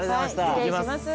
失礼します。